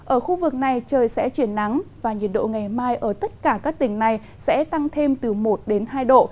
ở khu vực này trời sẽ chuyển nắng và nhiệt độ ngày mai ở tất cả các tỉnh này sẽ tăng thêm từ một đến hai độ